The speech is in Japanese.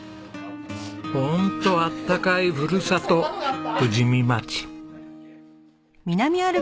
ホントあったかいふるさと富士見町。